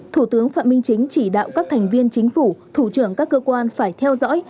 thủ tướng phạm minh chính chỉ đạo các thành viên chính phủ thủ trưởng các cơ quan phải theo dõi